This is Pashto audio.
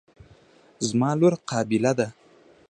زما لور قابله ده.